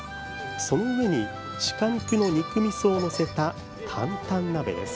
その上に鹿肉の肉みそを載せたタンタン鍋です。